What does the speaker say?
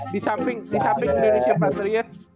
di samping indonesia patriot